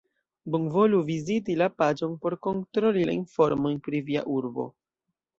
Bonvolu viziti la paĝon por kontroli la informojn pri via urbo.